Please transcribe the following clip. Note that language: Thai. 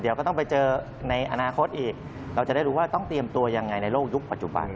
เดี๋ยวก็ต้องไปเจอในอนาคตอีกเราจะได้รู้ว่าต้องเตรียมตัวยังไงในโลกยุคปัจจุบัน